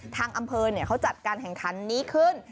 ทางอำเภอเขาจัดการแข่งขันนี้ขึ้น